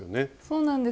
そうなんです。